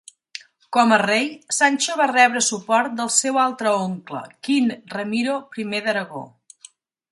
Com a rei, Sancho va rebre suport del seu altre oncle, Kin Ramiro I d'Aragó.